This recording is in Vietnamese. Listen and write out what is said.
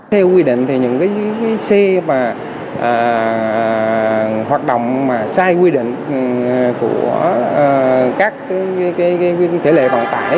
theo quy định thì những cái xe mà hoạt động sai quy định của các cái quy định thể lệ bằng tải